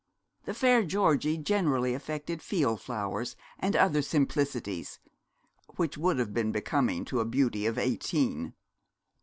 The fair Georgie generally affected field flowers and other simplicities, which would have been becoming to a beauty of eighteen.